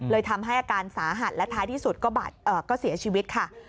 ทำให้อาการสาหัสและท้ายที่สุดก็เสียชีวิตค่ะ